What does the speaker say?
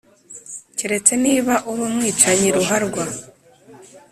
keretse niba uri umwicanyi ruharwa.